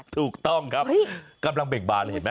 ถูกต้องครับกำลังเบ่งบานเลยเห็นไหม